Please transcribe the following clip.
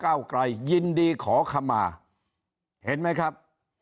คุยกับพระเก้าไกรยินดีขอคำมาเห็นไหมครับ